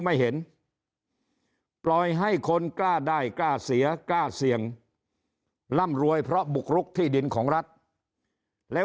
ไม่เห็นปล่อยให้คนกล้าได้กล้าเสียกล้าเสี่ยงร่ำรวยเพราะ